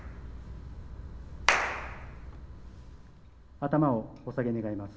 頭をお下げ願います。